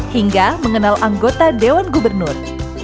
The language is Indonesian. hingga mengenal anggota dewan gubernur